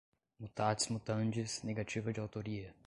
mutatis mutandis, negativa de autoria